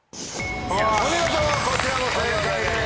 お見事こちらも正解です。